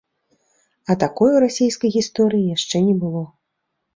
А такой у расейскай гісторыі яшчэ не было.